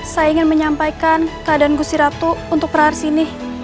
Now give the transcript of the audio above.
saya ingin menyampaikan keadaan gusiratu untuk praharsini